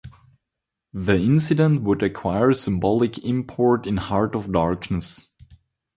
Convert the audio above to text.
The incident would acquire symbolic import in "Heart of Darkness".